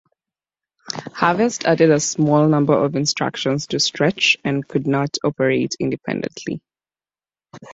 Harvest added a small number of instructions to Stretch, and could not operate independently.